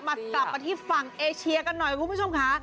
กลับมาที่ฝั่งเอเชียกันหน่อยคุณผู้ชมค่ะ